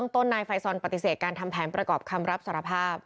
ต้นนายไฟซอนปฏิเสธการทำแผนประกอบคำรับสารภาพ